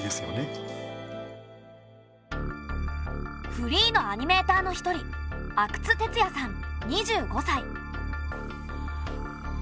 フリーのアニメーターの一人阿久津徹也さん２５さい。